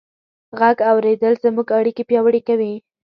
غږ اورېدل زموږ اړیکې پیاوړې کوي.